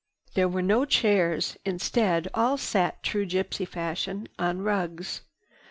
There were no chairs. Instead all sat, true gypsy fashion, on rugs.